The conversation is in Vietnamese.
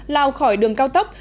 lao khỏi đường cao tốc